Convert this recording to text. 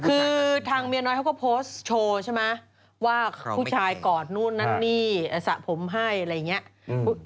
คือทางเมียน้อยเขาก็โพสต์โชว์ใช่ไหมว่าผู้ชายกอดนู่นนั่นนี่สระผมให้อะไรอย่างนี้